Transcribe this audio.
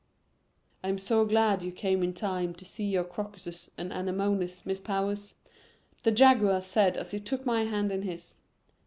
"I'm so glad you came in time to see your crocuses and anemones, Miss Powers," the Jaguar said as he took my hand in his.